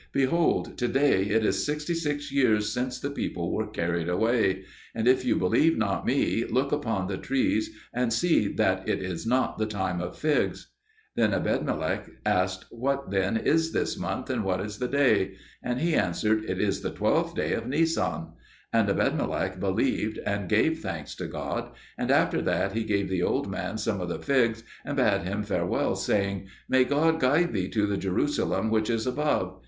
Behold, to day it is sixty and six years since the people were carried away. And, if you believe not me, look upon the trees and see that it is not the time of figs." Then Ebedmelech asked, "What then is this month, and what is the day?" And he answered, "It is the twelfth day of Nisan." And Ebedmelech believed, and gave thanks to God; and after that he gave the old man some of the figs, and bade him farewell, saying, "May God guide thee to the Jerusalem which is above."